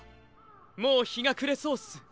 もうひがくれそうっす。